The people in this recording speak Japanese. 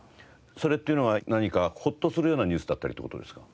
それっていうのは何かホッとするようなニュースだったりって事ですか？